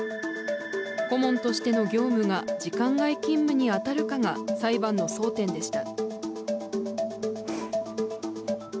顧問としての業務が時間外勤務に当たるかが裁判の争点でした。